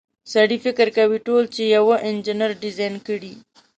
سړی فکر کوي ټول چې یوه انجنیر ډیزاین کړي.